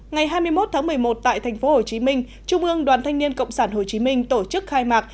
ngày hai mươi một tháng một mươi một tại tp hcm trung ương đoàn thanh niên cộng sản hồ chí minh tổ chức khai mạc